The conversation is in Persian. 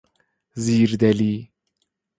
زیردلی